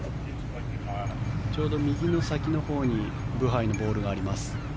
ちょうど右の先のほうにブハイのボールがあります。